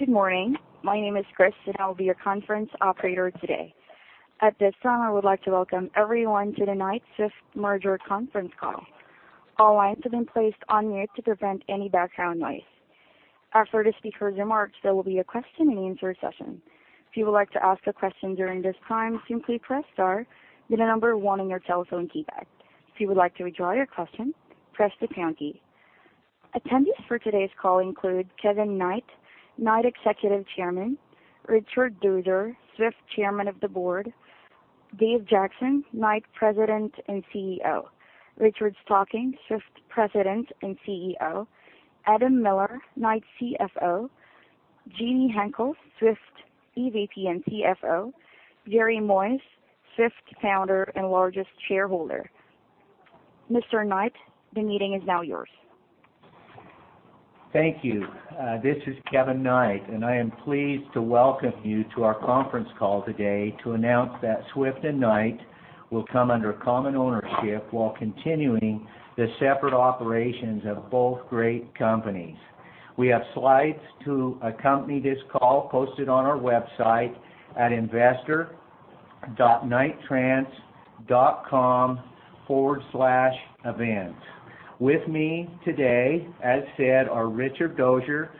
Good morning. My name is Chris, and I will be your conference operator today. At this time, I would like to welcome everyone to tonight's Swift Merger conference call. All lines have been placed on mute to prevent any background noise. After the speakers' remarks, there will be a question-and-answer session. If you would like to ask a question during this time, simply press star, then the number one on your telephone keypad. If you would like to withdraw your question, press the pound key. Attendees for today's call include Kevin Knight, Knight Executive Chairman, Richard Dozer, Swift Chairman of the Board, Dave Jackson, Knight President and CEO, Richard Stocking, Swift President and CEO, Adam Miller, Knight CFO, Ginnie Henkels, Swift EVP and CFO, Jerry Moyes, Swift Founder and largest shareholder. Mr. Knight, the meeting is now yours. Thank you. This is Kevin Knight, and I am pleased to welcome you to our conference call today to announce that Swift and Knight will come under common ownership while continuing the separate operations of both great companies. We have slides to accompany this call posted on our website at investor.knight-trans.com/events. With me today, as said, are Richard Dozer,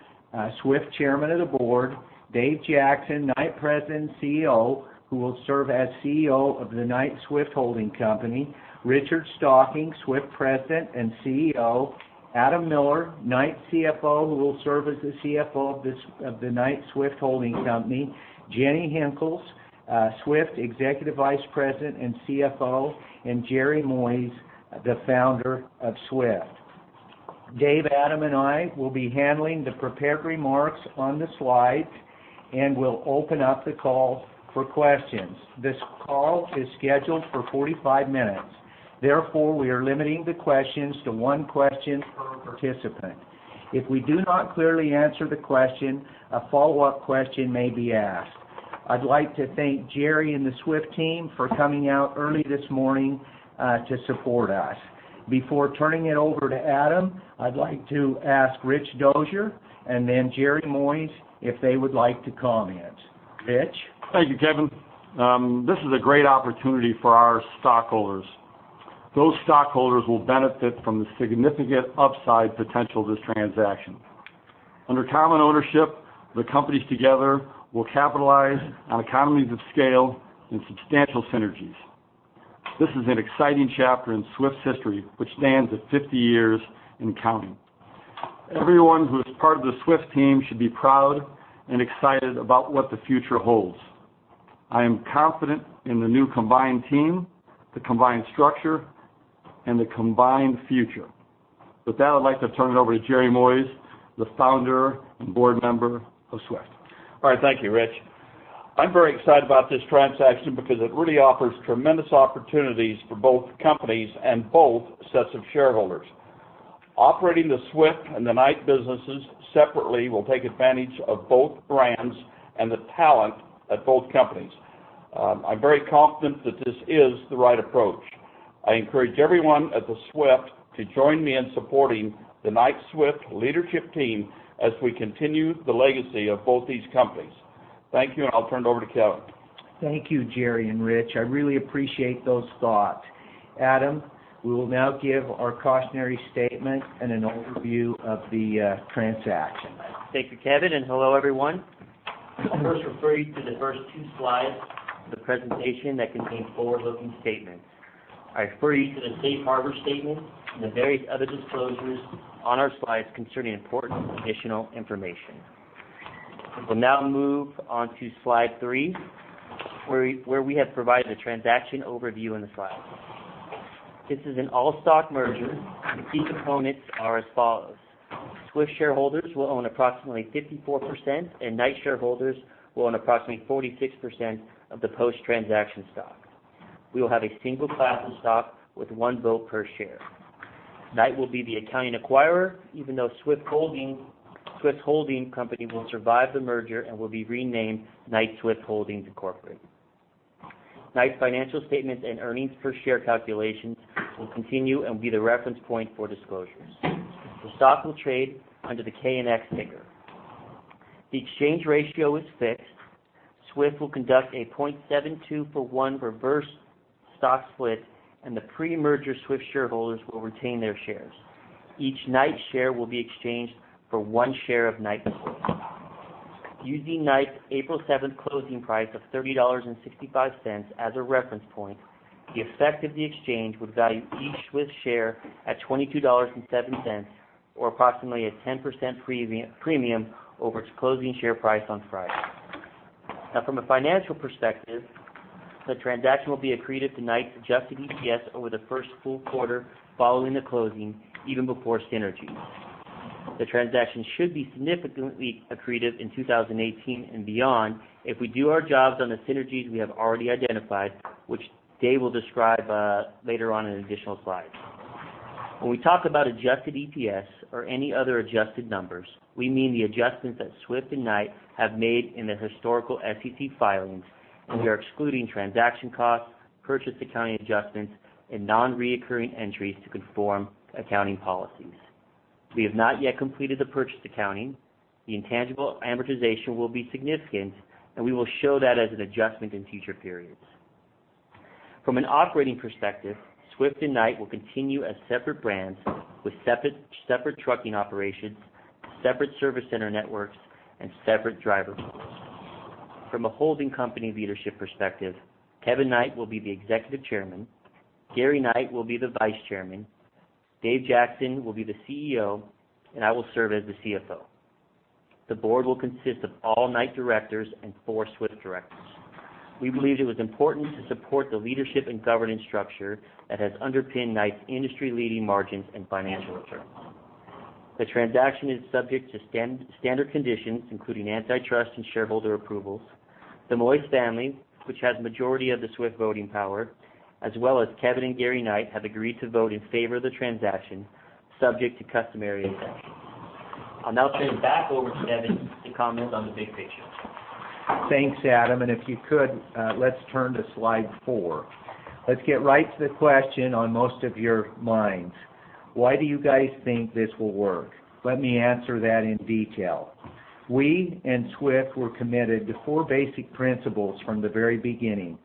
Swift Chairman of the Board, Dave Jackson, Knight President and CEO, who will serve as CEO of the Knight-Swift Holding Company, Richard Stocking, Swift President and CEO, Adam Miller, Knight CFO, who will serve as the CFO of the Knight-Swift Holding Company, Ginnie Henkels, Swift Executive Vice President and CFO, and Jerry Moyes, the founder of Swift. David, Adam, and I will be handling the prepared remarks on the slides, and we'll open up the call for questions. This call is scheduled for 45 minutes, therefore, we are limiting the questions to one question per participant. If we do not clearly answer the question, a follow-up question may be asked. I'd like to thank Jerry and the Swift team for coming out early this morning to support us. Before turning it over to Adam, I'd like to ask Richard Dozer and then Jerry Moyes if they would like to comment. Rich? Thank you, Kevin. This is a great opportunity for our stockholders. Those stockholders will benefit from the significant upside potential of this transaction. Under common ownership, the companies together will capitalize on economies of scale and substantial synergies. This is an exciting chapter in Swift's history, which stands at 50 years and counting. Everyone who is part of the Swift team should be proud and excited about what the future holds. I am confident in the new combined team, the combined structure, and the combined future. With that, I'd like to turn it over to Jerry Moyes, the Founder and Board Member of Swift. All right. Thank you, Rich. I'm very excited about this transaction because it really offers tremendous opportunities for both companies and both sets of shareholders. Operating the Swift and the Knight businesses separately will take advantage of both brands and the talent at both companies. I'm very confident that this is the right approach. I encourage everyone at the Swift to join me in supporting the Knight-Swift leadership team as we continue the legacy of both these companies. Thank you, and I'll turn it over to Kevin. Thank you, Jerry and Rich. I really appreciate those thoughts. Adam, we will now give our cautionary statement and an overview of the transaction. Thank you, Kevin, and hello, everyone. I'll first refer you to the first two slides of the presentation that contain forward-looking statements. I refer you to the safe harbor statement and the various other disclosures on our slides concerning important additional information. We'll now move on to slide 3, where we have provided a transaction overview in the slide. This is an all-stock merger. The key components are as follows: Swift shareholders will own approximately 54%, and Knight shareholders will own approximately 46% of the post-transaction stock. We will have a single class of stock with one vote per share. Knight will be the accounting acquirer, even though Swift Holdings Company will survive the merger and will be renamed Knight-Swift Transportation Holdings Inc. Knight's financial statements and earnings per share calculations will continue and will be the reference point for disclosures. The stock will trade under the KNX ticker. The exchange ratio is fixed. Swift will conduct a 0.72-for-1 reverse stock split, and the pre-merger Swift shareholders will retain their shares. Each Knight share will be exchanged for one share of Knight-Swift. Using Knight's April 7 closing price of $30.65 as a reference point, the effect of the exchange would value each Swift share at $22.07, or approximately a 10% premium over its closing share price on Friday. Now, from a financial perspective, the transaction will be accretive to Knight's adjusted EPS over the first full quarter following the closing, even before synergies. The transaction should be significantly accretive in 2018 and beyond, if we do our jobs on the synergies we have already identified, which Dave will describe later on in additional slides. When we talk about adjusted EPS or any other adjusted numbers, we mean the adjustments that Swift and Knight have made in their historical SEC filings, and we are excluding transaction costs, purchase accounting adjustments and nonrecurring entries to conform accounting policies. We have not yet completed the purchase accounting. The intangible amortization will be significant, and we will show that as an adjustment in future periods. From an operating perspective, Swift and Knight will continue as separate brands with separate trucking operations, separate service center networks, and separate driver pools. From a holding company leadership perspective, Kevin Knight will be the Executive Chairman, Gary Knight will be the Vice Chairman, Dave Jackson will be the CEO, and I will serve as the CFO. The board will consist of all Knight Directors and four Swift Directors. We believed it was important to support the leadership and governance structure that has underpinned Knight's industry-leading margins and financial returns. The transaction is subject to standard conditions, including antitrust and shareholder approvals. The Moyes family, which has majority of the Swift voting power, as well as Kevin and Gary Knight, have agreed to vote in favor of the transaction, subject to customary conditions. I'll now turn it back over to Kevin to comment on the big picture. Thanks, Adam, and if you could, let's turn to slide four. Let's get right to the question on most of your minds: Why do you guys think this will work? Let me answer that in detail. We and Swift were committed to four basic principles from the very beginning: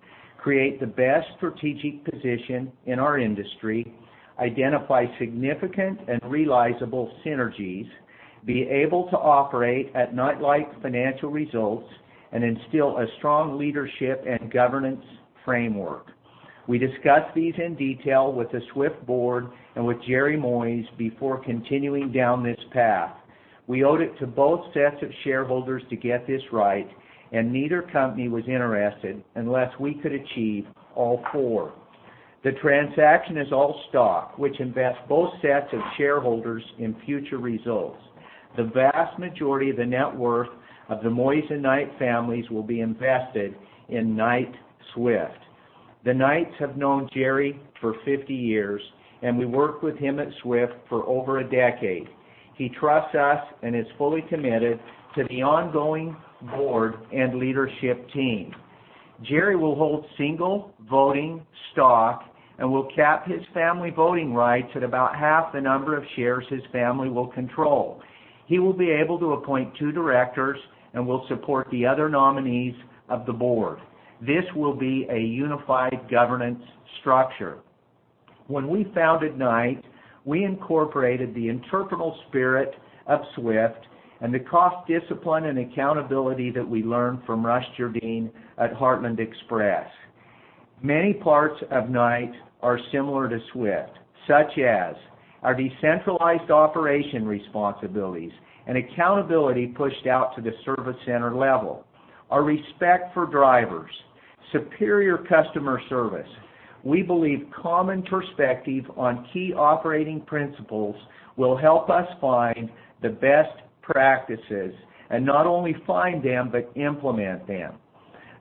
create the best strategic position in our industry, identify significant and realizable synergies, be able to operate at Knight-like financial results, and instill a strong leadership and governance framework. We discussed these in detail with the Swift board and with Jerry Moyes before continuing down this path. We owed it to both sets of shareholders to get this right, and neither company was interested unless we could achieve all four. The transaction is all stock, which invests both sets of shareholders in future results. The vast majority of the net worth of the Moyes and Knight families will be invested in Knight-Swift. The Knights have known Jerry for 50 years, and we worked with him at Swift for over a decade. He trusts us and is fully committed to the ongoing board and leadership team. Jerry will hold single voting stock and will cap his family voting rights at about half the number of shares his family will control. He will be able to appoint 2 directors and will support the other nominees of the board. This will be a unified governance structure. When we founded Knight, we incorporated the entrepreneurial spirit of Swift and the cost discipline and accountability that we learned from Russ Gerdin at Heartland Express. Many parts of Knight are similar to Swift, such as our decentralized operation responsibilities and accountability pushed out to the service center level, our respect for drivers, superior customer service. We believe common perspective on key operating principles will help us find the best practices, and not only find them, but implement them.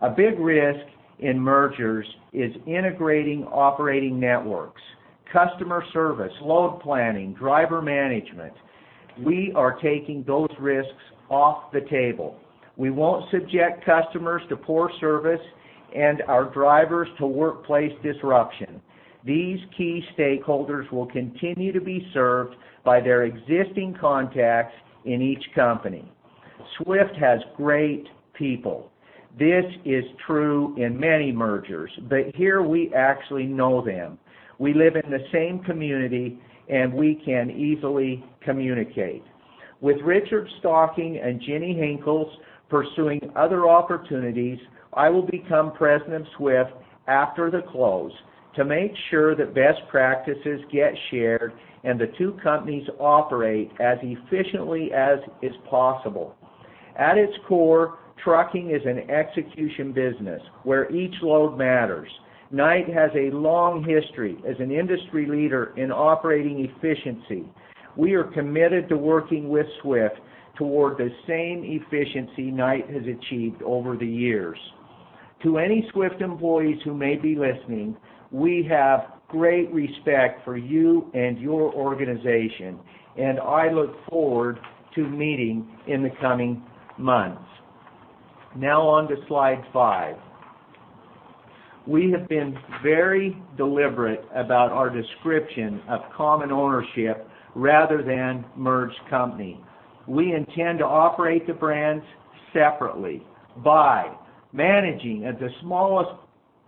A big risk in mergers is integrating operating networks, customer service, load planning, driver management. We are taking those risks off the table. We won't subject customers to poor service and our drivers to workplace disruption. These key stakeholders will continue to be served by their existing contacts in each company. Swift has great people. This is true in many mergers, but here we actually know them. We live in the same community, and we can easily communicate. With Richard Stocking and Ginnie Henkels pursuing other opportunities, I will become President of Swift after the close to make sure that best practices get shared and the two companies operate as efficiently as is possible. At its core, trucking is an execution business, where each load matters. Knight has a long history as an industry leader in operating efficiency. We are committed to working with Swift toward the same efficiency Knight has achieved over the years. To any Swift employees who may be listening, we have great respect for you and your organization, and I look forward to meeting in the coming months. Now on to slide five. We have been very deliberate about our description of common ownership rather than merged company. We intend to operate the brands separately by managing at the smallest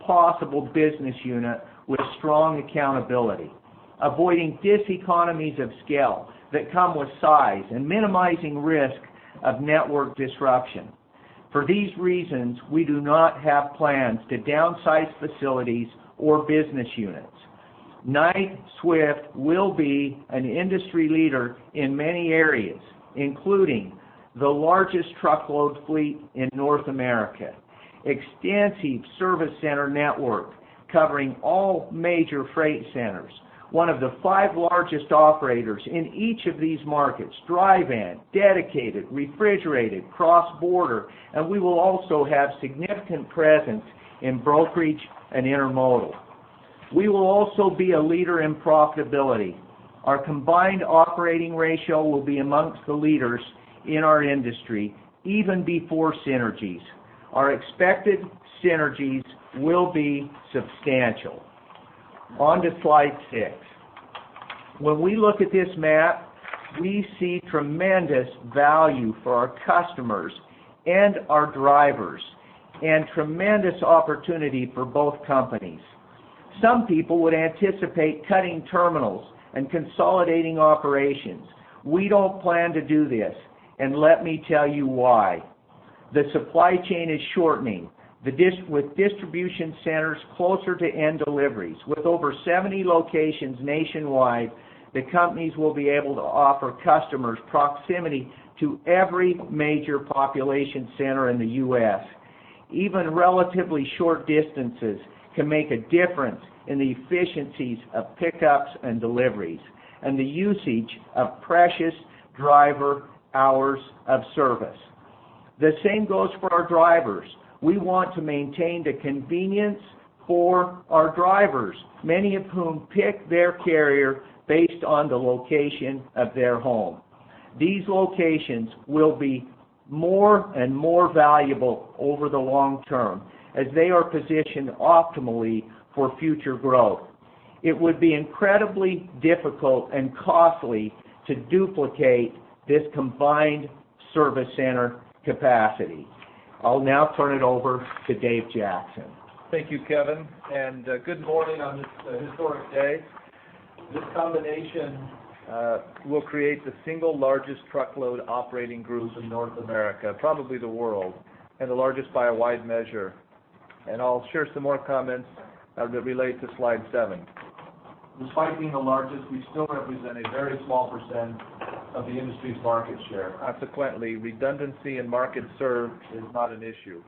possible business unit with strong accountability, avoiding diseconomies of scale that come with size, and minimizing risk of network disruption. For these reasons, we do not have plans to downsize facilities or business units. Knight-Swift will be an industry leader in many areas, including the largest truckload fleet in North America, extensive service center network covering all major freight centers, one of the five largest operators in each of these markets, dry van, dedicated, refrigerated, cross-border, and we will also have significant presence in brokerage and intermodal. We will also be a leader in profitability. Our combined operating ratio will be among the leaders in our industry, even before synergies. Our expected synergies will be substantial. On to slide six. When we look at this map, we see tremendous value for our customers and our drivers, and tremendous opportunity for both companies. Some people would anticipate cutting terminals and consolidating operations. We don't plan to do this, and let me tell you why. The supply chain is shortening, with distribution centers closer to end deliveries. With over 70 locations nationwide, the companies will be able to offer customers proximity to every major population center in the U.S. Even relatively short distances can make a difference in the efficiencies of pickups and deliveries, and the usage of precious driver hours of service. The same goes for our drivers. We want to maintain the convenience for our drivers, many of whom pick their carrier based on the location of their home. These locations will be more and more valuable over the long term, as they are positioned optimally for future growth. It would be incredibly difficult and costly to duplicate this combined service center capacity. I'll now turn it over to Dave Jackson. Thank you, Kevin, and good morning on this historic day. This combination will create the single largest truckload operating group in North America, probably the world, and the largest by a wide measure. I'll share some more comments that relate to Slide 7. Despite being the largest, we still represent a very small percent of the industry's market share. Consequently, redundancy in market served is not an issue.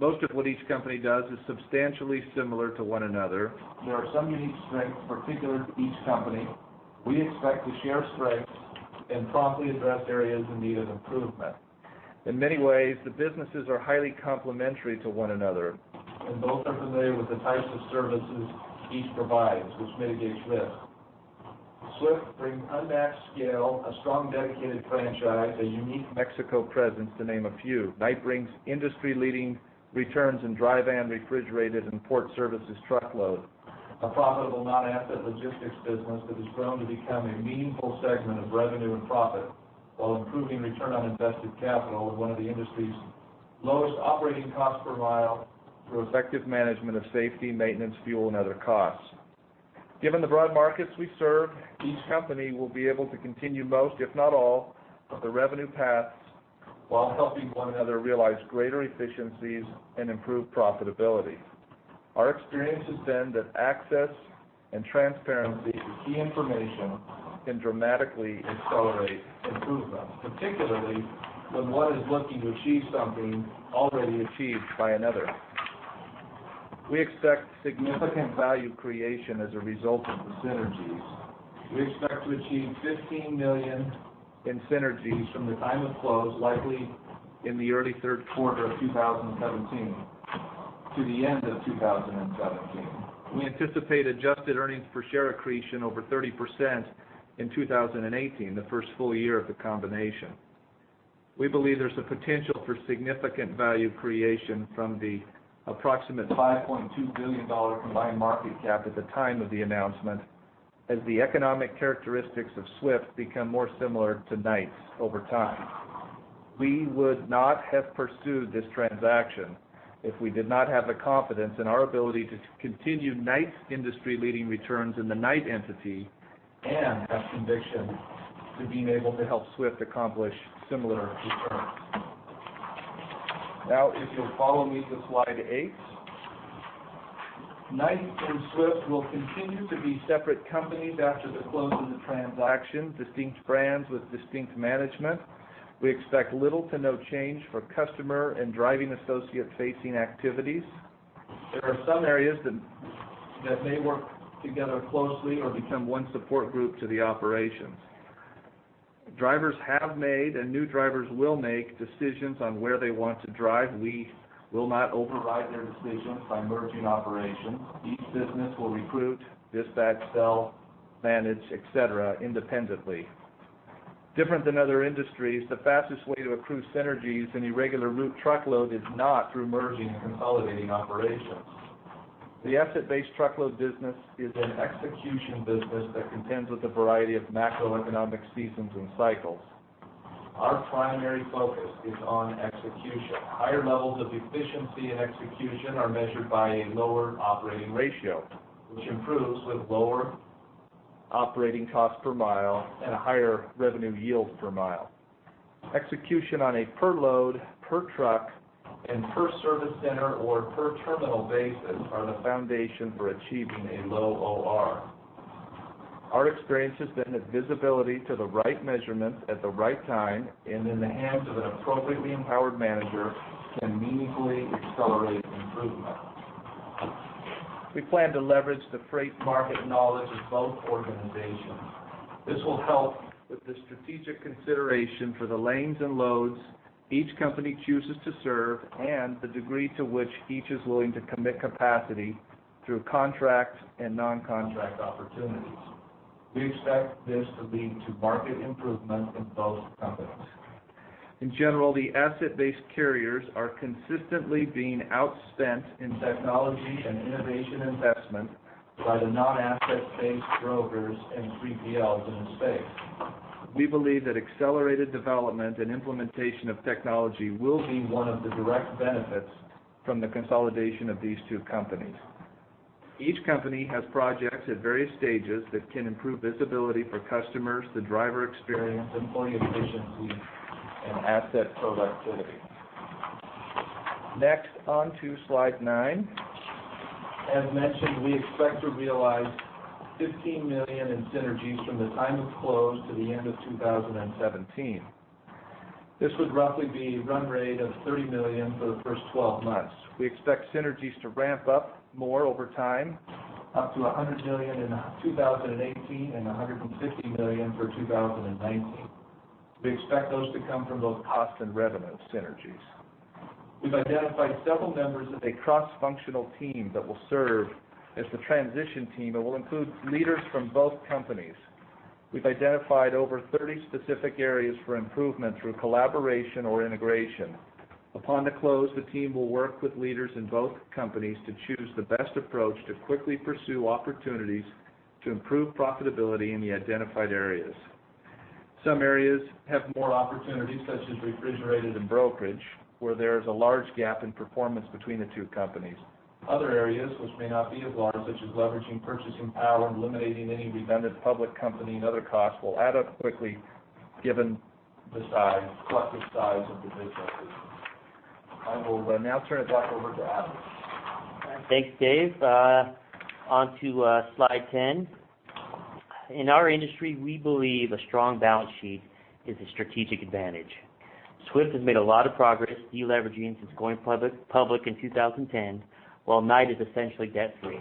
Most of what each company does is substantially similar to one another. There are some unique strengths particular to each company. We expect to share strengths and promptly address areas in need of improvement. In many ways, the businesses are highly complementary to one another, and both are familiar with the types of services each provides, which mitigates risk. Swift brings unmatched scale, a strong, dedicated franchise, a unique Mexico presence, to name a few. Knight brings industry-leading returns in dry van, refrigerated, and port services truckload, a profitable non-asset logistics business that has grown to become a meaningful segment of revenue and profit, while improving return on invested capital with one of the industry's lowest operating costs per mile through effective management of safety, maintenance, fuel, and other costs. Given the broad markets we serve, each company will be able to continue most, if not all, of the revenue paths while helping one another realize greater efficiencies and improve profitability. Our experience has been that access and transparency to key information can dramatically accelerate improvement, particularly when one is looking to achieve something already achieved by another. We expect significant value creation as a result of the synergies. We expect to achieve $15 million in synergies from the time of close, likely in the early third quarter of 2017, to the end of 2017. We anticipate adjusted earnings per share accretion over 30% in 2018, the first full year of the combination. We believe there's the potential for significant value creation from the approximate $5.2 billion combined market cap at the time of the announcement, as the economic characteristics of Swift become more similar to Knight's over time. We would not have pursued this transaction if we did not have the confidence in our ability to continue Knight's industry-leading returns in the Knight entity and have conviction to being able to help Swift accomplish similar returns. Now, if you'll follow me to slide 8. Knight and Swift will continue to be separate companies after the close of the transaction, distinct brands with distinct management. We expect little to no change for customer and driving associate-facing activities. There are some areas that may work together closely or become one support group to the operations. Drivers have made, and new drivers will make, decisions on where they want to drive. We will not override their decisions by merging operations. Each business will recruit, dispatch, sell, manage, et cetera, independently. Different than other industries, the fastest way to accrue synergies in irregular route truckload is not through merging and consolidating operations. The asset-based truckload business is an execution business that contends with a variety of macroeconomic seasons and cycles. Our primary focus is on execution. Higher levels of efficiency and execution are measured by a lower operating ratio, which improves with lower operating costs per mile and a higher revenue yield per mile. Execution on a per load, per truck, and per service center or per terminal basis are the foundation for achieving a low OR. Our experience has been that visibility to the right measurements at the right time and in the hands of an appropriately empowered manager can meaningfully accelerate improvement. We plan to leverage the freight market knowledge of both organizations.... This will help with the strategic consideration for the lanes and loads each company chooses to serve, and the degree to which each is willing to commit capacity through contract and non-contract opportunities. We expect this to lead to market improvement in both companies. In general, the asset-based carriers are consistently being outspent in technology and innovation investment by the non-asset-based brokers and 3PLs in the space. We believe that accelerated development and implementation of technology will be one of the direct benefits from the consolidation of these two companies. Each company has projects at various stages that can improve visibility for customers, the driver experience, employee efficiency, and asset productivity. Next, on to slide 9. As mentioned, we expect to realize $15 million in synergies from the time of close to the end of 2017. This would roughly be a run rate of $30 million for the first 12 months. We expect synergies to ramp up more over time, up to $100 million in 2018, and $150 million for 2019. We expect those to come from both cost and revenue synergies. We've identified several members of a cross-functional team that will serve as the transition team, and will include leaders from both companies. We've identified over 30 specific areas for improvement through collaboration or integration. Upon the close, the team will work with leaders in both companies to choose the best approach to quickly pursue opportunities to improve profitability in the identified areas. Some areas have more opportunities, such as refrigerated and brokerage, where there is a large gap in performance between the two companies. Other areas, which may not be as large, such as leveraging purchasing power and eliminating any redundant public company and other costs, will add up quickly given the size, collective size of the businesses. I will now turn it back over to Adam. Thanks, Dave. On to slide 10. In our industry, we believe a strong balance sheet is a strategic advantage. Swift has made a lot of progress deleveraging since going public in 2010, while Knight is essentially debt-free.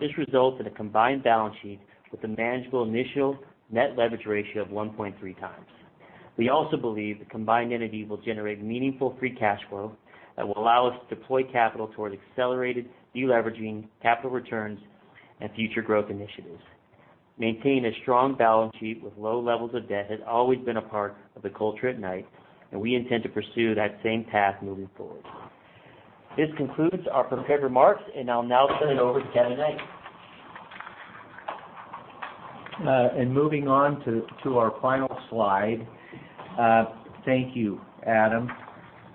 This results in a combined balance sheet with a manageable initial net leverage ratio of 1.3x. We also believe the combined entity will generate meaningful free cash flow that will allow us to deploy capital toward accelerated deleveraging, capital returns, and future growth initiatives. Maintaining a strong balance sheet with low levels of debt has always been a part of the culture at Knight, and we intend to pursue that same path moving forward. This concludes our prepared remarks, and I'll now turn it over to Kevin Knight. And moving on to our final slide. Thank you, Adam.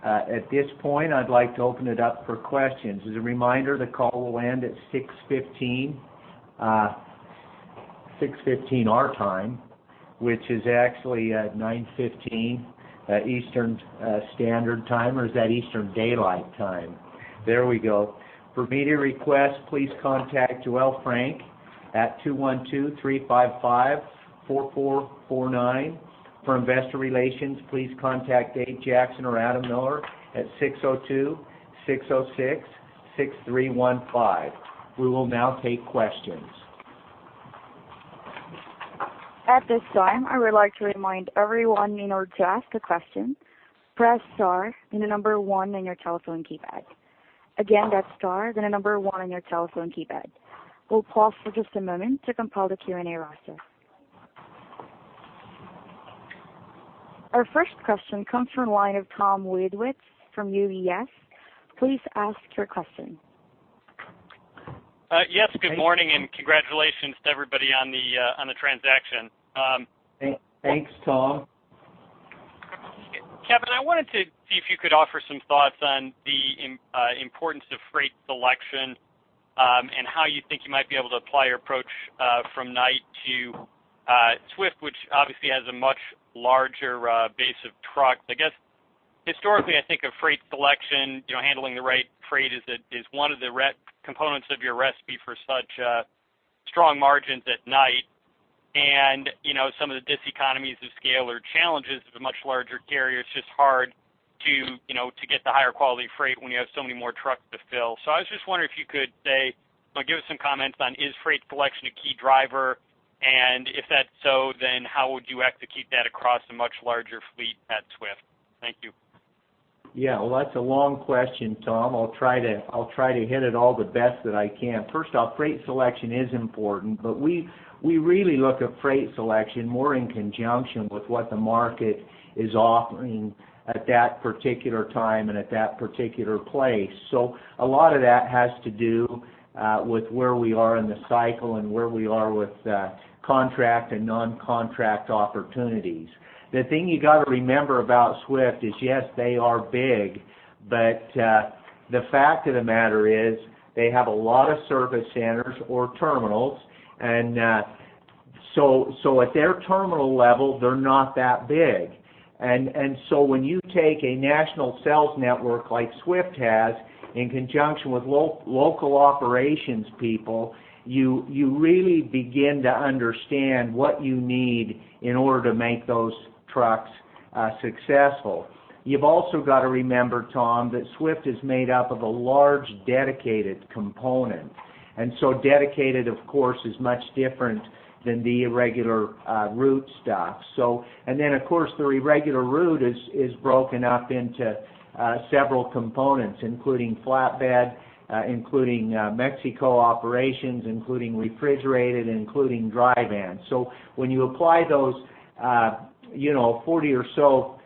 At this point, I'd like to open it up for questions. As a reminder, the call will end at 6:15 our time, which is actually 9:15 Eastern Standard Time, or is that Eastern Daylight Time? There we go. For media requests, please contact Joele Frank at 212-355-4449. For investor relations, please contact Dave Jackson or Adam Miller at 602-606-6315. We will now take questions. At this time, I would like to remind everyone, in order to ask a question, press star, then the number one on your telephone keypad. Again, that's star, then the number one on your telephone keypad. We'll pause for just a moment to compile the Q&A roster. Our first question comes from the line of Tom Wadewitz from UBS. Please ask your question. Yes, good morning, and congratulations to everybody on the, on the transaction. Thanks, Tom. Kevin, I wanted to see if you could offer some thoughts on the importance of freight selection, and how you think you might be able to apply your approach from Knight to Swift, which obviously has a much larger base of trucks. I guess, historically, I think of freight selection, you know, handling the right freight is a, is one of the key components of your recipe for such strong margins at Knight. And, you know, some of the diseconomies of scale or challenges of a much larger carrier, it's just hard to, you know, to get the higher quality freight when you have so many more trucks to fill. So I was just wondering if you could say or give us some comments on, is freight selection a key driver? If that's so, then how would you execute that across a much larger fleet at Swift? Thank you. Yeah, well, that's a long question, Tom. I'll try to, I'll try to hit it all the best that I can. First off, freight selection is important, but we, we really look at freight selection more in conjunction with what the market is offering at that particular time and at that particular place. So a lot of that has to do with where we are in the cycle and where we are with contract and non-contract opportunities. The thing you gotta remember about Swift is, yes, they are big, but the fact of the matter is, they have a lot of service centers or terminals, and so, so at their terminal level, they're not that big. And so when you take a national sales network like Swift has, in conjunction with local operations people, you really begin to understand what you need in order to make those trucks successful. You've also got to remember, Tom, that Swift is made up of a large, dedicated component. And so dedicated, of course, is much different than the irregular route stuff. So, and then, of course, the irregular route is broken up into several components, including flatbed, including Mexico operations, including refrigerated, including dry van. So when you apply those, you know, 40 or so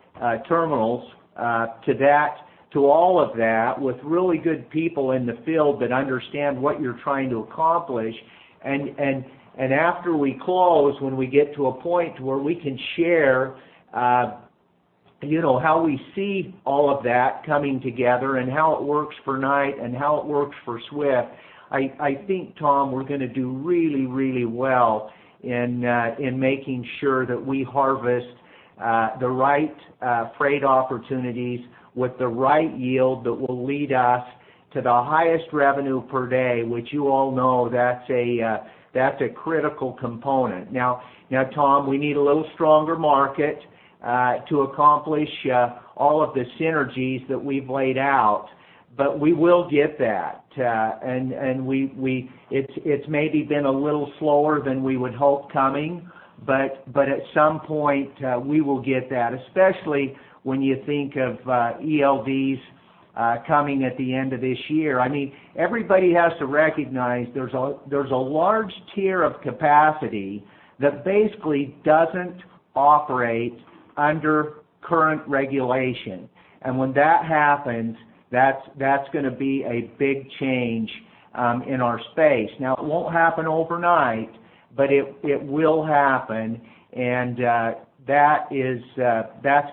terminals, to that, to all of that, with really good people in the field that understand what you're trying to accomplish, and after we close, when we get to a point where we can share, you know, how we see all of that coming together and how it works for Knight and how it works for Swift, I think, Tom, we're going to do really, really well in making sure that we harvest the right freight opportunities with the right yield that will lead us to the highest revenue per day, which you all know, that's a critical component. Now, Tom, we need a little stronger market to accomplish all of the synergies that we've laid out, but we will get that. It's maybe been a little slower than we would hope coming, but at some point, we will get that, especially when you think of ELDs coming at the end of this year. I mean, everybody has to recognize there's a large tier of capacity that basically doesn't operate under current regulation. And when that happens, that's going to be a big change in our space. Now, it won't happen overnight, but it will happen, and that's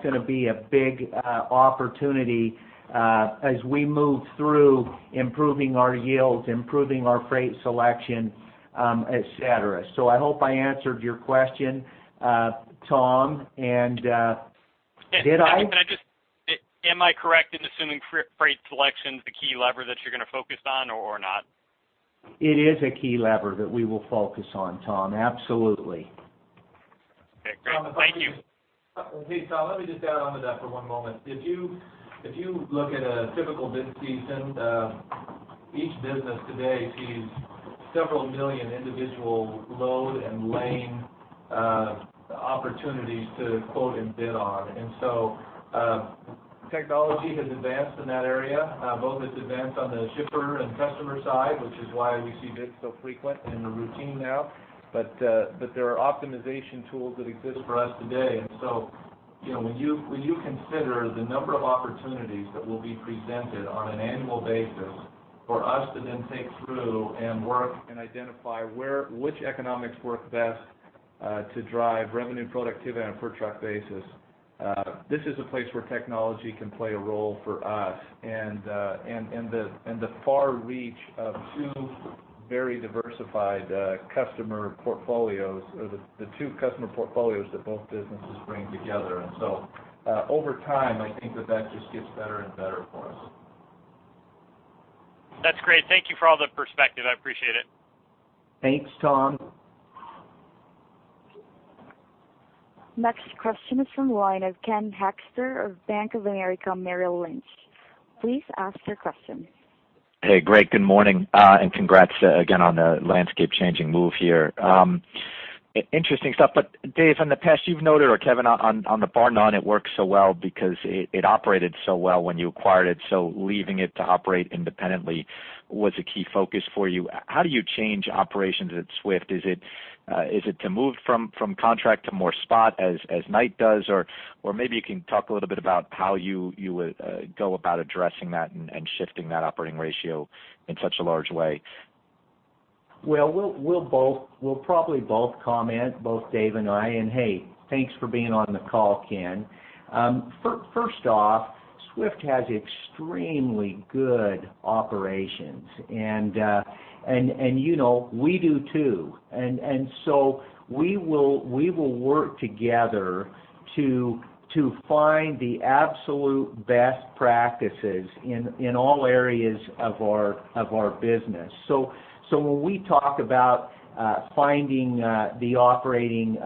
going to be a big opportunity as we move through improving our yields, improving our freight selection, et cetera. So I hope I answered your question, Tom, and did I? Yes. Can I just... Am I correct in assuming freight selection is the key lever that you're going to focus on or not? It is a key lever that we will focus on, Tom. Absolutely. Okay, great. Thank you. Hey, Tom, let me just add on to that for one moment. If you look at a typical bid season, each business today sees several million individual load and lane opportunities to quote and bid on. And so, technology has advanced in that area, both it's advanced on the shipper and customer side, which is why we see bids so frequent and a routine now, but, but there are optimization tools that exist for us today. And so, you know, when you consider the number of opportunities that will be presented on an annual basis for us to then think through and work and identify which economics work best, to drive revenue productivity on a per truck basis, this is a place where technology can play a role for us, and the far reach of two very diversified customer portfolios or the two customer portfolios that both businesses bring together. And so, over time, I think that that just gets better and better for us. That's great. Thank you for all the perspective. I appreciate it. Thanks, Tom. Next question is from the line of Ken Hoexter of Bank of America Merrill Lynch. Please ask your question. Hey, Kevin, good morning, and congrats again on the landscape-changing move here. Interesting stuff, but Dave, in the past you've noted, or Kevin, on the Barr-Nunn, it works so well because it operated so well when you acquired it, so leaving it to operate independently was a key focus for you. How do you change operations at Swift? Is it to move from contract to more spot as Knight does? Or maybe you can talk a little bit about how you would go about addressing that and shifting that operating ratio in such a large way. Well, we'll probably both comment, both Dave and I. Hey, thanks for being on the call, Ken. First off, Swift has extremely good operations, and you know, we do, too. So we will work together to find the absolute best practices in all areas of our business. So when we talk about finding the operating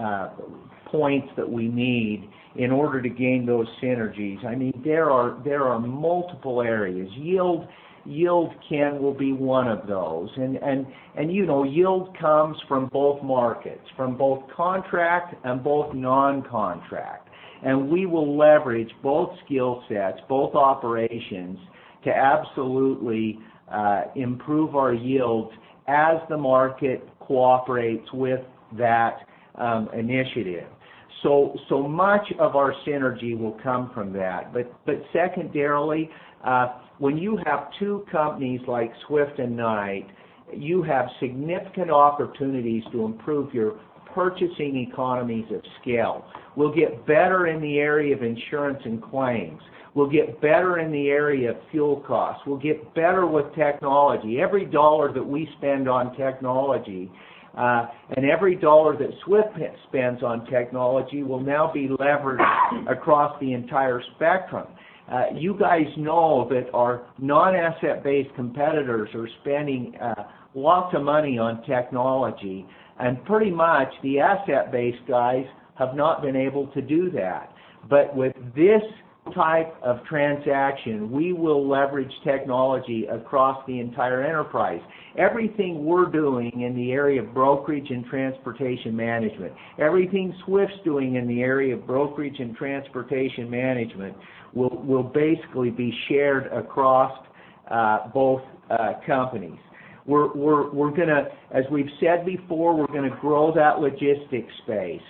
points that we need in order to gain those synergies, I mean, there are multiple areas. Yield, Ken, will be one of those. And you know, yield comes from both markets, from both contract and both non-contract. And we will leverage both skill sets, both operations, to absolutely improve our yields as the market cooperates with that initiative. So, so much of our synergy will come from that. But, but secondarily, when you have two companies like Swift and Knight, you have significant opportunities to improve your purchasing economies of scale. We'll get better in the area of insurance and claims. We'll get better in the area of fuel costs. We'll get better with technology. Every dollar that we spend on technology, and every dollar that Swift spends on technology, will now be leveraged across the entire spectrum. You guys know that our non-asset-based competitors are spending lots of money on technology, and pretty much the asset-based guys have not been able to do that. But with this type of transaction, we will leverage technology across the entire enterprise. Everything we're doing in the area of brokerage and transportation management, everything Swift's doing in the area of brokerage and transportation management, will basically be shared across both companies. We're gonna, as we've said before, we're gonna grow that logistics space.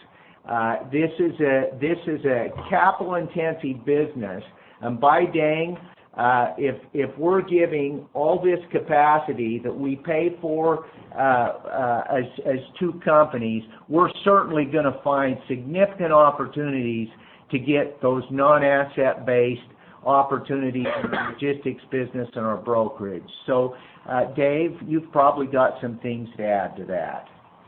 This is a capital-intensive business, and by dang, if we're giving all this capacity that we pay for as two companies, we're certainly gonna find significant opportunities to get those non-asset-based opportunities in the logistics business and our brokerage. So, Dave, you've probably got some things to add to that.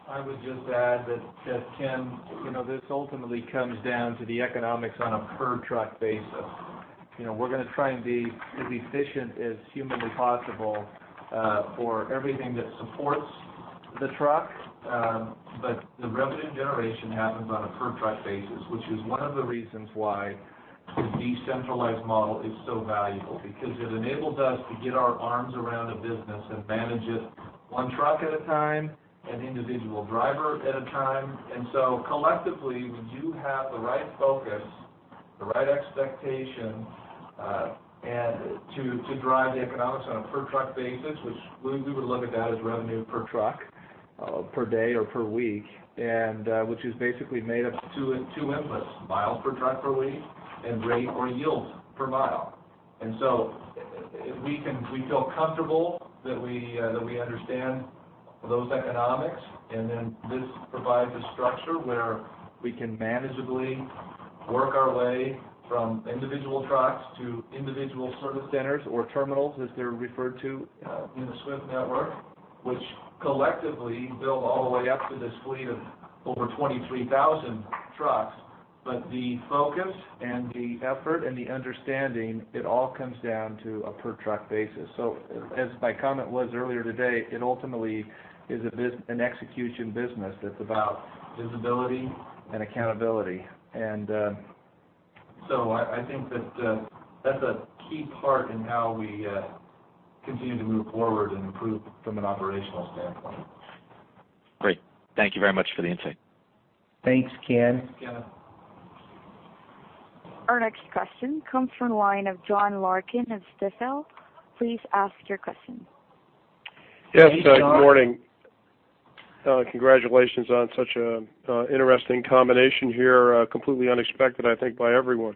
I would just add that, Ken, you know, this ultimately comes down to the economics on a per truck basis. You know, we're gonna try and be as efficient as humanly possible for everything that supports the truck, but the revenue generation happens on a per truck basis, which is one of the reasons why the decentralized model is so valuable. Because it enables us to get our arms around a business and manage it one truck at a time, an individual driver at a time. Collectively, when you have the right focus, the right expectations, and to drive the economics on a per truck basis, which we would look at that as revenue per truck, per day or per week, and which is basically made up of 2 inputs, miles per truck per week, and rate or yield per mile. We feel comfortable that we understand those economics, and then this provides a structure where we can manageably work our way from individual trucks to individual service centers or terminals, as they're referred to in the Swift network, which collectively build all the way up to this fleet of over 23,000 trucks. But the focus and the effort and the understanding, it all comes down to a per truck basis. So as my comment was earlier today, it ultimately is a business, an execution business that's about visibility and accountability. And so I think that that's a key part in how we continue to move forward and improve from an operational standpoint. Great. Thank you very much for the insight. Thanks, Ken. Thanks, Ken. Our next question comes from the line of John Larkin of Stifel. Please ask your question. Yes, good morning. Congratulations on such a interesting combination here, completely unexpected, I think, by everyone.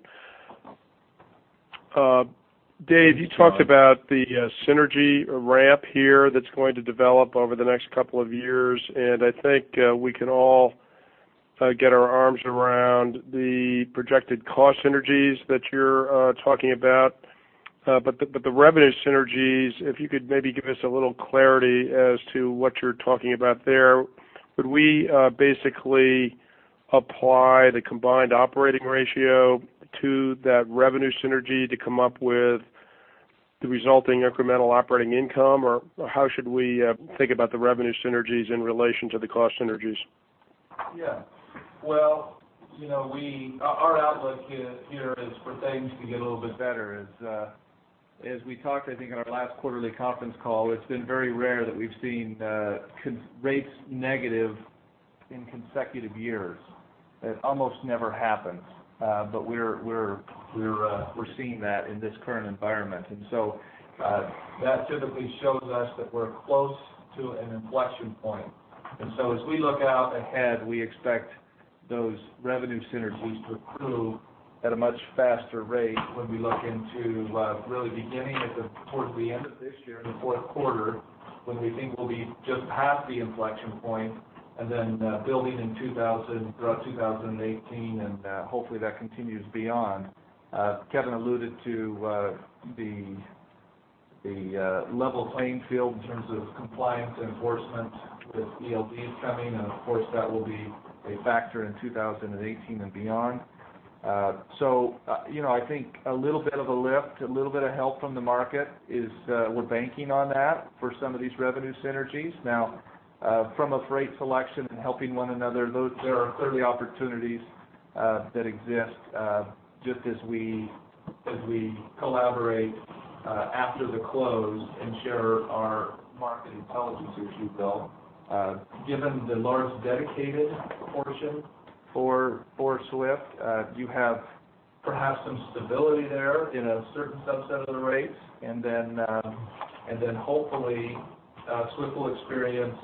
Dave, you talked about the synergy ramp here that's going to develop over the next couple of years, and I think we can all get our arms around the projected cost synergies that you're talking about. But the revenue synergies, if you could maybe give us a little clarity as to what you're talking about there. Would we basically apply the combined operating ratio to that revenue synergy to come up with the resulting incremental operating income, or how should we think about the revenue synergies in relation to the cost synergies? Yeah. Well, you know, our outlook here is for things to get a little bit better. As we talked, I think, in our last quarterly conference call, it's been very rare that we've seen contract rates negative in consecutive years. It almost never happens, but we're seeing that in this current environment. And so, that typically shows us that we're close to an inflection point. And so as we look out ahead, we expect those revenue synergies to accrue at a much faster rate when we look into really beginning towards the end of this year, in the fourth quarter, when we think we'll be just past the inflection point, and then, building throughout 2018, and, hopefully, that continues beyond. Kevin alluded to the level playing field in terms of compliance enforcement with ELD coming, and of course, that will be a factor in 2018 and beyond. So, you know, I think a little bit of a lift, a little bit of help from the market is we're banking on that for some of these revenue synergies. Now, from a freight selection and helping one another, those are clearly opportunities that exist just as we as we collaborate after the close and share our market intelligence, which we've built. Given the large dedicated portion for Swift, you have perhaps some stability there in a certain subset of the rates, and then hopefully Swift will experience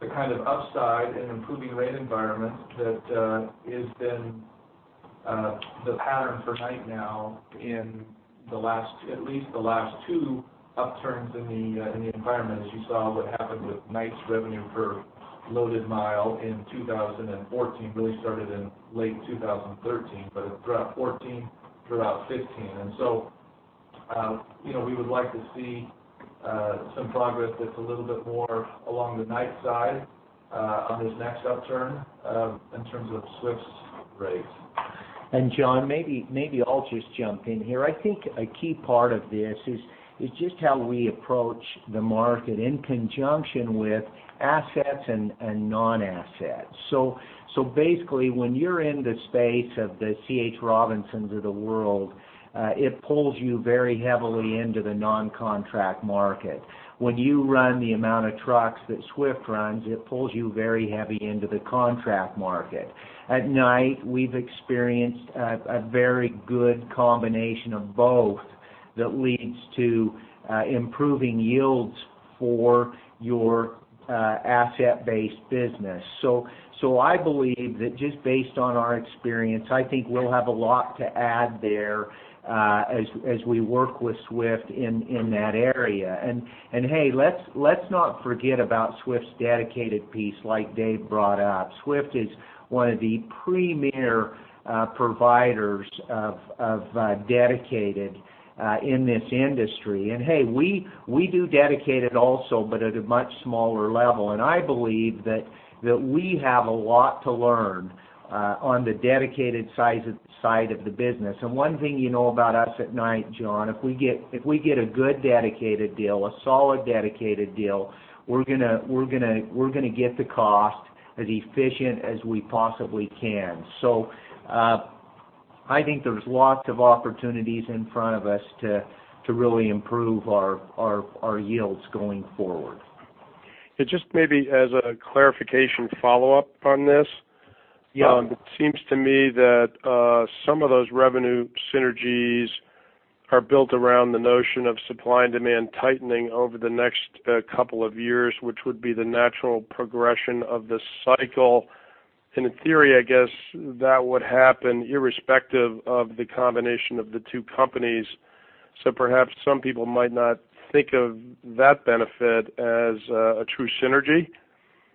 the kind of upside in improving rate environments that has been the pattern for Knight now at least the last two upturns in the environment. As you saw, what happened with Knight's revenue per loaded mile in 2014, really started in late 2013, but throughout 2014, throughout 2015. And so, you know, we would like to see some progress that's a little bit more along the Knight side on this next upturn in terms of Swift's rates. And John, maybe I'll just jump in here. I think a key part of this is just how we approach the market in conjunction with assets and non-assets. So basically, when you're in the space of the C.H. Robinson of the world, it pulls you very heavily into the non-contract market. When you run the amount of trucks that Swift runs, it pulls you very heavy into the contract market. At Knight, we've experienced a very good combination of both that leads to improving yields for your asset-based business. So I believe that just based on our experience, I think we'll have a lot to add there, as we work with Swift in that area. And hey, let's not forget about Swift's dedicated piece, like Dave brought up. Swift is one of the premier providers of dedicated in this industry. And hey, we do dedicated also, but at a much smaller level. And I believe that we have a lot to learn on the dedicated side of the business. And one thing you know about us at Knight, John, if we get a good dedicated deal, a solid dedicated deal, we're going to get the cost as efficient as we possibly can. So, I think there's lots of opportunities in front of us to really improve our yields going forward. Just maybe as a clarification follow-up on this. Yeah. It seems to me that some of those revenue synergies are built around the notion of supply and demand tightening over the next couple of years, which would be the natural progression of the cycle. In theory, I guess, that would happen irrespective of the combination of the two companies. Perhaps some people might not think of that benefit as a true synergy.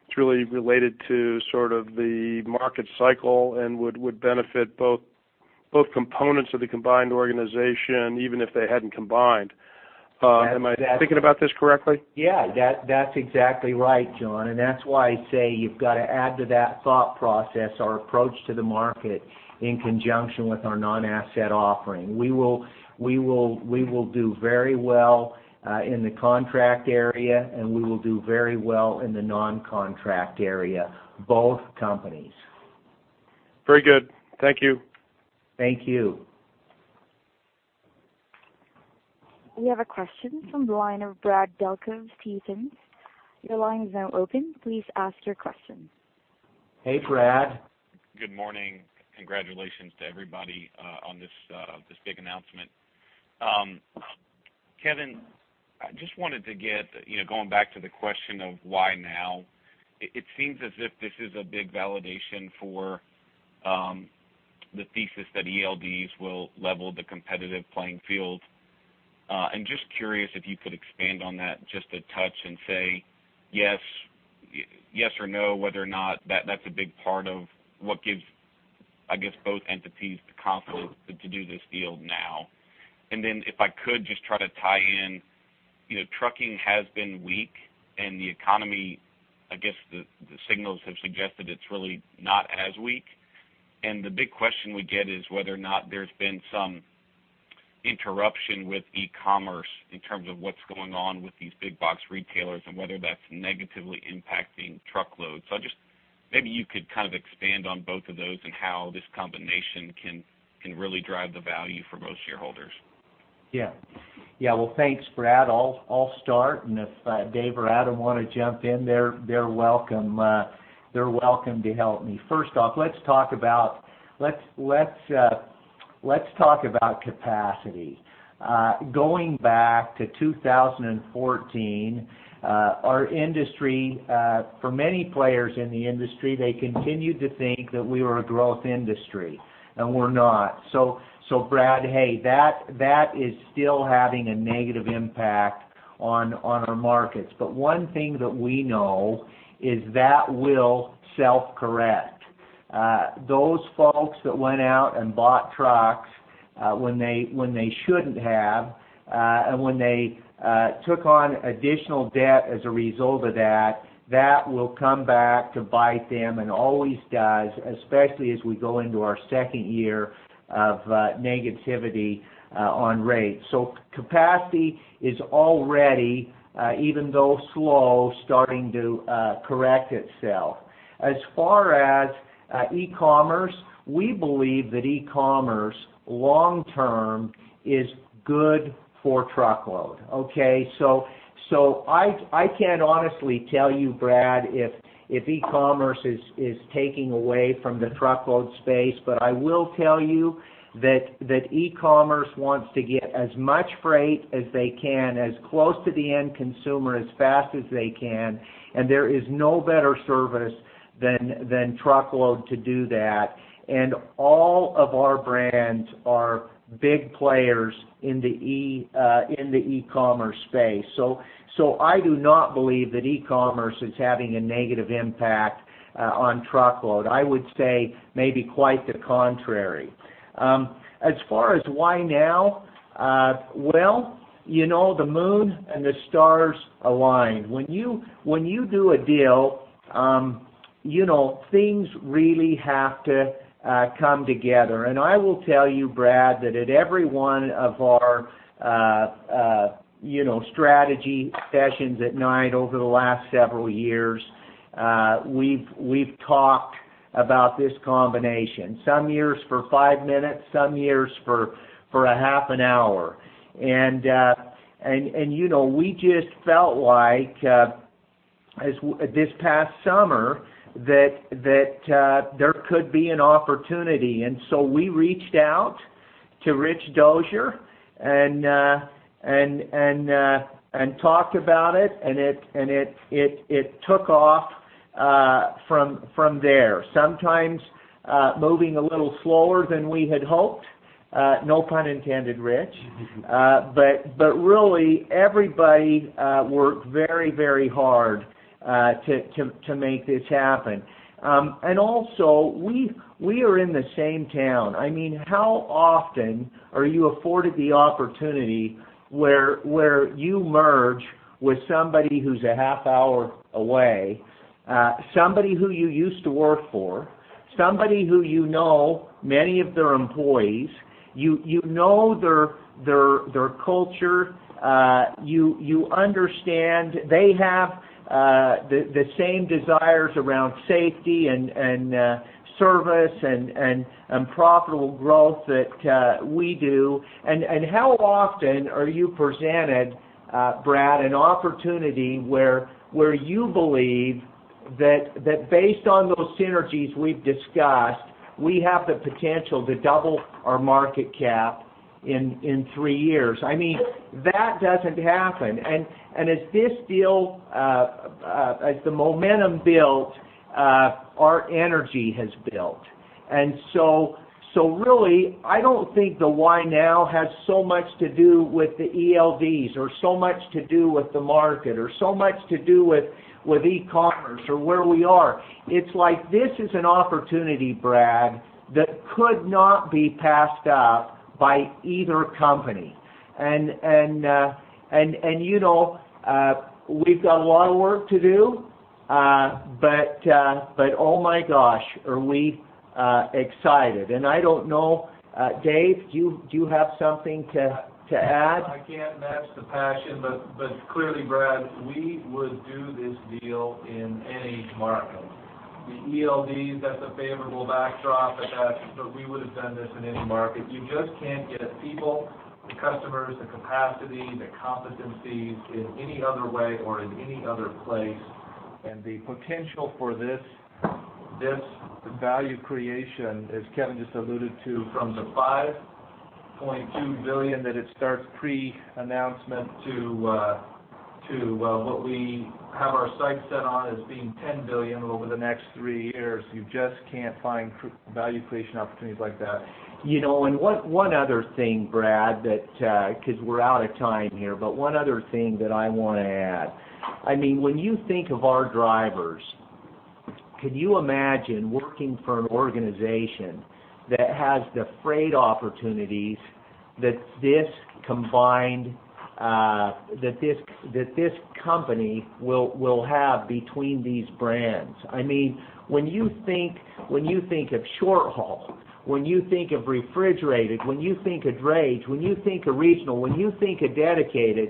It's really related to sort of the market cycle and would benefit both components of the combined organization, even if they hadn't combined. Am I thinking about this correctly? Yeah, that's exactly right, John, and that's why I say you've got to add to that thought process our approach to the market in conjunction with our non-asset offering. We will do very well in the contract area, and we will do very well in the non-contract area, both companies. Very good. Thank you. Thank you. We have a question from the line of Brad Delco of Stephens. Your line is now open. Please ask your question. Hey, Brad. Good morning. Congratulations to everybody on this this big announcement. Kevin, I just wanted to get, you know, going back to the question of why now? It seems as if this is a big validation for the thesis that ELDs will level the competitive playing field. I'm just curious if you could expand on that just a touch and say, yes, yes or no, whether or not that's a big part of what gives, I guess, both entities the confidence to do this deal now. And then if I could just try to tie in, you know, trucking has been weak, and the economy, I guess, the signals have suggested it's really not as weak. The big question we get is whether or not there's been some interruption with e-commerce in terms of what's going on with these big box retailers and whether that's negatively impacting truckload. So I just... Maybe you could kind of expand on both of those and how this combination can, can really drive the value for both shareholders? Yeah. Yeah. Well, thanks, Brad. I'll start, and if Dave or Adam want to jump in, they're welcome to help me. First off, let's talk about capacity. Going back to 2014, our industry, for many players in the industry, they continued to think that we were a growth industry, and we're not. So, Brad, hey, that is still having a negative impact on our markets. But one thing that we know is that will self-correct. Those folks that went out and bought trucks, when they shouldn't have, and when they took on additional debt as a result of that, that will come back to bite them and always does, especially as we go into our second year of negativity on rates. So capacity is already, even though slow, starting to correct itself. As far as e-commerce, we believe that e-commerce, long term, is good for truckload, okay? So I can't honestly tell you, Brad, if e-commerce is taking away from the truckload space, but I will tell you that e-commerce wants to get as much freight as they can, as close to the end consumer, as fast as they can, and there is no better service than truckload to do that. And all of our brands are big players in the e-commerce space. So I do not believe that e-commerce is having a negative impact on truckload. I would say maybe quite the contrary. As far as why now, well, you know, the moon and the stars aligned. When you, when you do a deal, you know, things really have to come together. And I will tell you, Brad, that at every one of our, you know, strategy sessions at Knight over the last several years, we've, we've talked about this combination. Some years for five minutes, some years for a half an hour. And, you know, we just felt like, this past summer, that, that there could be an opportunity. And so we reached out to Richard Dozer and talked about it, and it, it, it took off, from, from there. Sometimes, moving a little slower than we had hoped, no pun intended, Rich. But really, everybody worked very, very hard, to make this happen. And also, we are in the same town. I mean, how often are you afforded the opportunity where you merge with somebody who's a half hour away, somebody who you used to work for, somebody who you know many of their employees, you know their culture, you understand they have the same desires around safety and service and profitable growth that we do? And how often are you presented, Brad, an opportunity where you believe that based on those synergies we've discussed, we have the potential to double our market cap in three years? I mean, that doesn't happen. And as this deal, as the momentum built, our energy has built. And so, so really, I don't think the why now has so much to do with the ELDs or so much to do with the market or so much to do with e-commerce or where we are. It's like, this is an opportunity, Brad, that could not be passed up by either company. And you know, we've got a lot of work to do, but oh, my gosh, are we excited! And I don't know, Dave, do you have something to add? I can't match the passion, but clearly, Brad, we would do this deal in any market. The ELDs, that's a favorable backdrop, but that, but we would have done this in any market. You just can't get the people, the customers, the capacity, the competencies in any other way or in any other place. And the potential for this, this value creation, as Kevin just alluded to, from the $5.2 billion that it starts pre-announcement to what we have our sights set on as being $10 billion over the next three years, you just can't find value creation opportunities like that. You know, and one, one other thing, Brad, that, 'cause we're out of time here, but one other thing that I wanna add. I mean, when you think of our drivers, can you imagine working for an organization that has the freight opportunities that this combined, that this, that this company will, will have between these brands? I mean, when you think, when you think of short haul, when you think of refrigerated, when you think of drayage, when you think of regional, when you think of dedicated,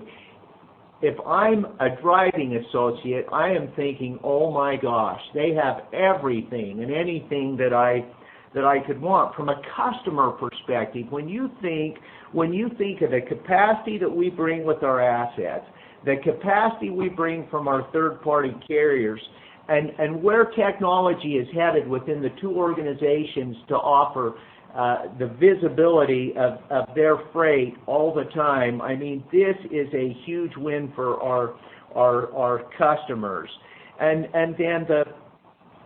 if I'm a driving associate, I am thinking, oh, my gosh, they have everything and anything that I, that I could want. From a customer perspective, when you think of the capacity that we bring with our assets, the capacity we bring from our third-party carriers, and where technology is headed within the two organizations to offer the visibility of their freight all the time, I mean, this is a huge win for our customers. And then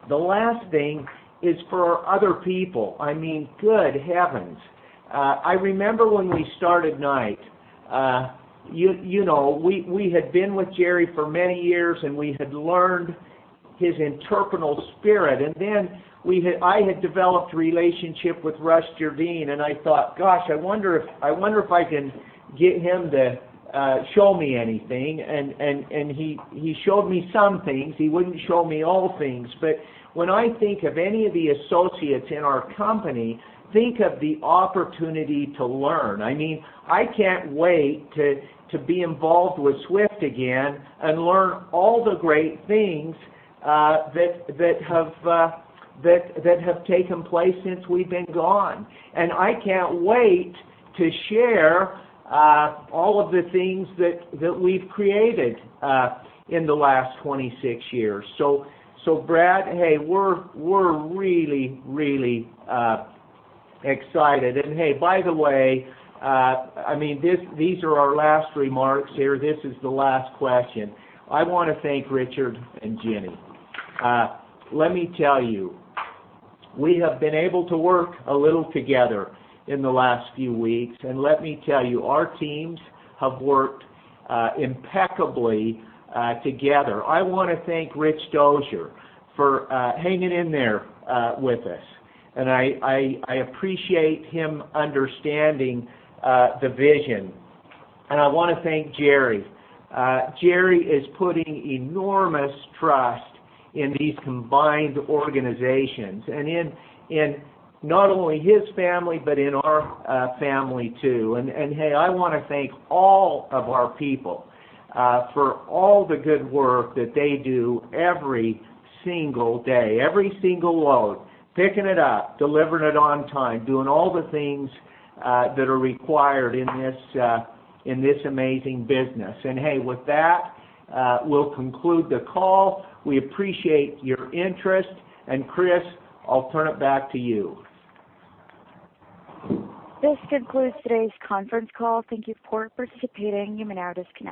the last thing is for our other people. I mean, good heavens! I remember when we started Knight, you know, we had been with Jerry for many years, and we had learned his entrepreneurial spirit. And then I had developed a relationship with Russ Gerdin, and I thought, Gosh, I wonder if I can get him to show me anything. And he showed me some things. He wouldn't show me all things. But when I think of any of the associates in our company, think of the opportunity to learn, I mean, I can't wait to be involved with Swift again and learn all the great things that have taken place since we've been gone. And I can't wait to share all of the things that we've created in the last 26 years. So, Brad, hey, we're really, really excited. And hey, by the way, I mean, these are our last remarks here. This is the last question. I wanna thank Richard and Ginnie. Let me tell you, we have been able to work a little together in the last few weeks, and let me tell you, our teams have worked impeccably together. I wanna thank Rich Dozer for hanging in there with us. And I appreciate him understanding the vision. And I wanna thank Jerry. Jerry is putting enormous trust in these combined organizations and in not only his family, but in our family, too. And hey, I wanna thank all of our people for all the good work that they do every single day, every single load, picking it up, delivering it on time, doing all the things that are required in this amazing business. And hey, with that, we'll conclude the call. We appreciate your interest. And Chris, I'll turn it back to you. This concludes today's conference call. Thank you for participating. You may now disconnect.